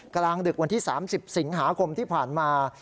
กลางดึกวันที่๓๐สิงหาคมที่ผ่านมา